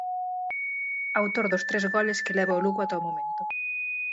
Autor dos tres goles que leva o Lugo ata o momento.